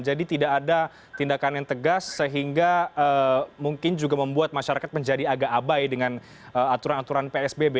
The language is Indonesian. jadi tidak ada tindakan yang tegas sehingga mungkin juga membuat masyarakat menjadi agak abai dengan aturan aturan psbb